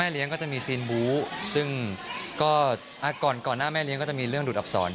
แม่เลี้ยงก็จะมีซีนบู๋ซึ่งก่อนหน้าแม่เลี้ยงก็จะมาดูดอับสอน